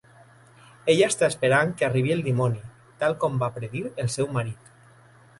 Ella està esperant que arribi el dimoni, tal com va predir el seu marit.